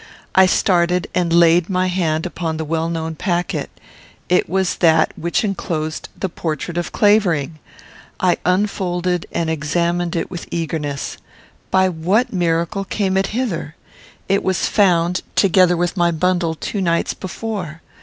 I started and laid my hand upon the well known packet. It was that which enclosed the portrait of Clavering! I unfolded and examined it with eagerness. By what miracle came it hither? It was found, together with my bundle, two nights before.